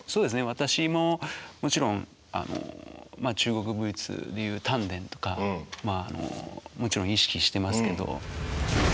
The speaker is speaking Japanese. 私ももちろん中国武術でいう「丹田」とかもちろん意識してますけど。